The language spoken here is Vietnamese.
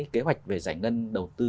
kế hoạch về giải ngân đầu tư